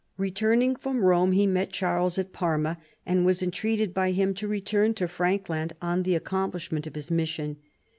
Returning from Rome, he met Charles at Parma, and was entreated by him to return to Frankland on the accomplishment of his mission.